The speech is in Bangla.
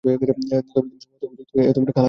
তবে তিনি সমস্ত অভিযোগ থেকে খালাস পেয়েছিলেন।